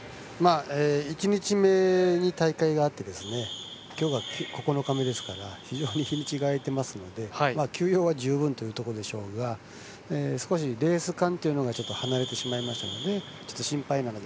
１日目に大会があって今日が９日目なので日にちが空いていますので休養は十分というところでしょうが少しレース勘というのが離れてしまいましたので心配なので。